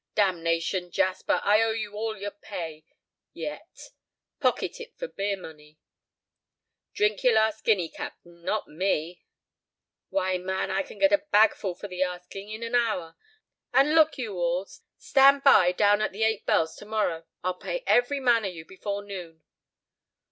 "Damnation, Jasper, I owe you all your pay—yet. Pocket it for beer money." "Drink your last guinea, capt'n, not me!" "Why, man, I can get a bagful for the asking—in an hour. And, look you all, stand by down at 'The Eight Bells' to morrow. I'll pay every man of you before noon."